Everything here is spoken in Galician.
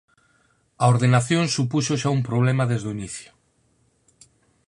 A ordenación supuxo xa un problema desde o inicio.